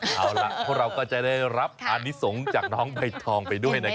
เอาล่ะพวกเราก็จะได้รับอานิสงฆ์จากน้องใบทองไปด้วยนะครับ